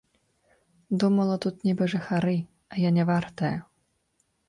Думала, тут небажыхары, а я нявартая.